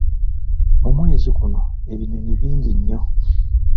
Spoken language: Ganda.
Mu mwezi guno ebinyonyi bingi nnyo.